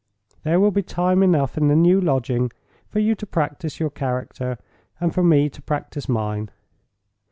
There will be time enough in the new lodging for you to practice your character, and for me to practice mine.